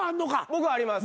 僕はあります。